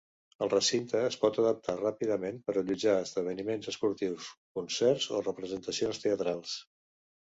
El recinte es pot adaptar ràpidament per allotjar esdeveniments esportius, concerts o representacions teatrals.